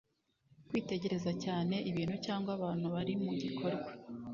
Kwitegereza cyane, ibintu cyangwa abantu barimu gikorwa.